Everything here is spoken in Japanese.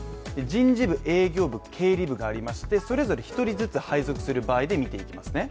人事部、営業部、経理部がありましてそれぞれ１人ずつ配属する例で見ていきますね。